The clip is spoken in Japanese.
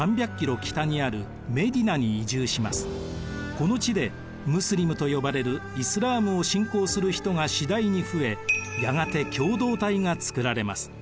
この地でムスリムと呼ばれるイスラームを信仰する人が次第に増えやがて共同体が作られます。